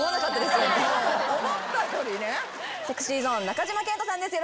ＳｅｘｙＺｏｎｅ中島健人さんです